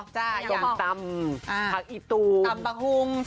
จมตำผักอีตูสมตำตำบังฮุม